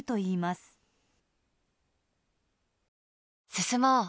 進もう。